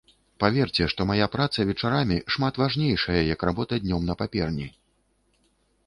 Паверце, што мая праца вечарамі шмат важнейшая, як работа днём на паперні.